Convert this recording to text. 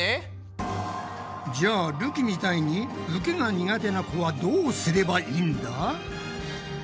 じゃあるきみたいに受けが苦手な子はどうすればいいんだ？